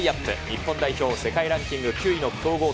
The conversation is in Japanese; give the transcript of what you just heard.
日本代表、世界ランキング９位の強豪